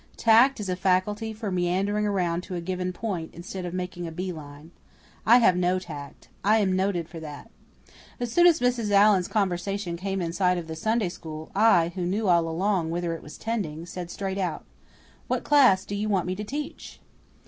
Tact is a faculty for meandering around to a given point instead of making a bee line. I have no tact. I am noted for that. As soon as Mrs. Allan's conversation came in sight of the Sunday School, I, who knew all along whither it was tending, said, straight out, "What class do you want me to teach?"